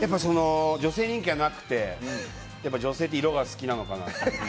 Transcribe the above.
女性人気がなくて女性って色が好きなのかなって。